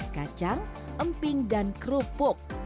kacang emping dan kerupuk